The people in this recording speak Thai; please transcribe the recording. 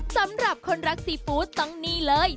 สำหรับคนรักซีฟู้ดต้องนี่เลย